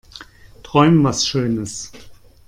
Träum was schönes.